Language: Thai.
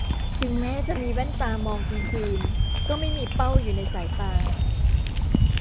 ถึงแม้จะมีแว่นตามองกลางคืนก็ไม่มีเป้าอยู่ในสายตา